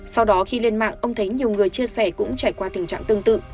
sau đó khi lên mạng ông thấy nhiều người chia sẻ cũng trải qua tình trạng tương tự